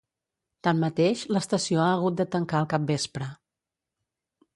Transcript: Tanmateix, l'estació ha hagut de tancar al capvespre.